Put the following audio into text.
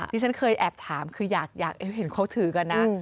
ที่ฉันเคยแอบถามคืออยากเห็นเขาถือกันนะ